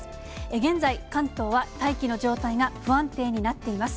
現在、関東は大気の状態が不安定になっています。